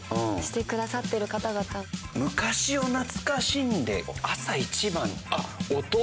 昔を懐かしんで朝一番。